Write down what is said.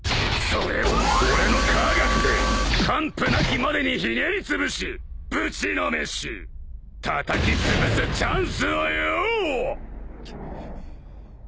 それを俺の科学で完膚なきまでにひねりつぶしぶちのめしたたきつぶすチャンスをよぉ！